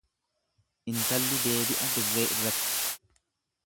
Intalli deebi'a dirree irratti.